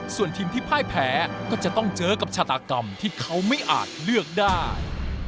ส่วนทีมที่พ่ายแพ้ก็จะต้องเจอกับชาตากรรมที่เขาไม่อาจเลือกได้